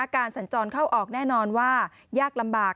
สัญจรเข้าออกแน่นอนว่ายากลำบาก